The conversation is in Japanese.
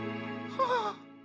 はあ。